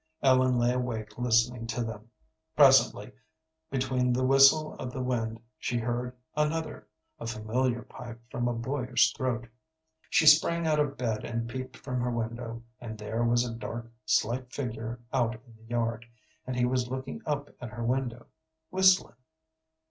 Ellen lay awake listening to them. Presently between the whistle of the wind she heard another, a familiar pipe from a boyish throat. She sprang out of bed and peeped from her window, and there was a dark, slight figure out in the yard, and he was looking up at her window, whistling.